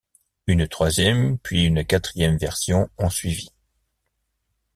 Une troisième puis une quatrième versions ont suivi.